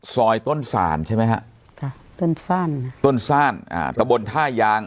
ซอยต้นสานใช่ไหมฮะต้นสานต้นสานอ่าตะบนท่ายาง